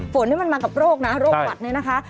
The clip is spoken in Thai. ฝนนี่มันมากับโรคนะโรคหวัดเนี่ยนะคะ